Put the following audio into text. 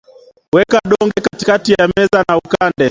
Weka donge katikati ya meza na ukande